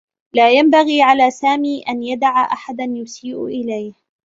لا ينبغي على سامي أن يدع أحدا يسيء له.